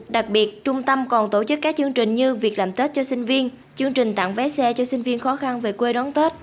đặc biệt trung tâm còn tổ chức các chương trình như việc làm tết cho sinh viên chương trình tặng vé xe cho sinh viên khó khăn về quê đón tết